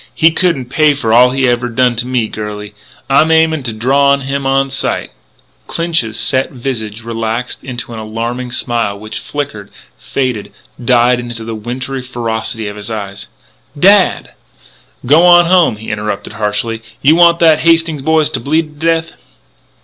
He couldn't pay for all he ever done to me, girlie.... I'm aimin' to draw on him on sight " Clinch's set visage relaxed into an alarming smile which flickered, faded, died in the wintry ferocity of his eyes. "Dad " "G'wan home!" he interrupted harshly. "You want that Hastings boy to bleed to death?"